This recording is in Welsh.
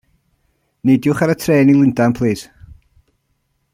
Neidiwch ar y trên i Lundain, plîs.